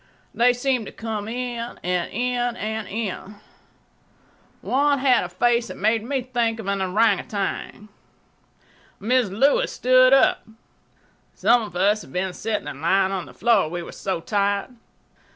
They seemed to come in—and in—and in. One had a face that made me think of an ourang outang. Mrs. Lewis stood up. Some of us had been sitting and lying on the floor, we were so tired.